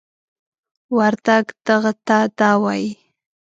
وردگ "دغه" ته "دَ" وايي.